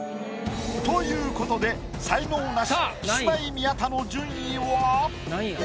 ということで才能ナシキスマイ宮田の順位は。